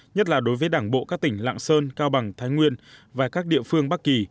nhất là đối với đảng bộ các tỉnh lạng sơn cao bằng thái nguyên và các địa phương bắc kỳ